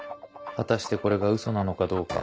果たしてこれがウソなのかどうか。